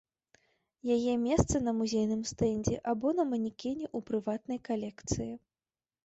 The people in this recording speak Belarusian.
Яе месца на музейным стэндзе або на манекене ў прыватнай калекцыі.